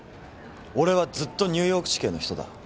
俺はずっとニューヨーク市警の人だ。